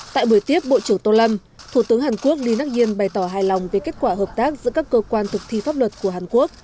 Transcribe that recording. tại buổi tiếp bộ trưởng tô lâm thủ tướng hàn quốc lee nắc yon bày tỏ hài lòng về kết quả hợp tác giữa các cơ quan thực thi pháp luật của hàn quốc